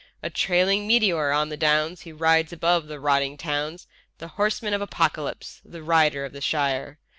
A trailing meteor on the Downs he rides above the rotting towns, The Horseman of Apocalypse, the Rider of the Shires.